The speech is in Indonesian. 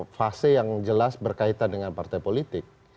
fase yang jelas berkaitan dengan partai politik